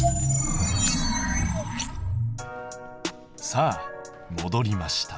さあもどりました。